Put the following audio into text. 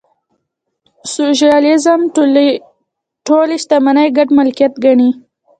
سوشیالیزم ټولې شتمنۍ ګډ ملکیت ګڼي.